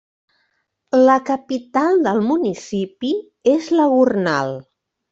La capital del municipi és la Gornal.